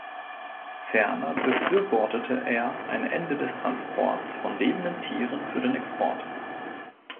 Ferner befürwortete er ein Ende des Transports von lebenden Tieren für den Export.